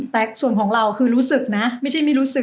แต่ส่วนของเราคือรู้สึกนะไม่ใช่ไม่รู้สึก